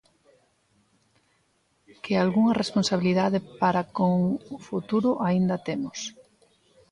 Que algunha responsabilidade para con o futuro aínda temos.